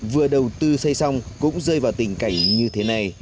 vừa đầu tư xây xong cũng rơi vào tỉnh cẩy như thế này